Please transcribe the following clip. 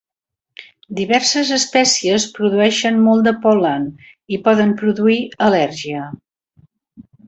Diverses espècies produeixen molt de pol·len i poden produir al·lèrgia.